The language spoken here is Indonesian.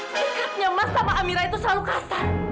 sikapnya mas sama amira itu selalu kasar